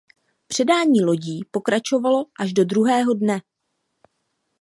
Předání lodí pokračovalo až do druhého dne.